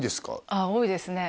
あっ多いですね